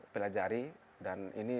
belajari dan ini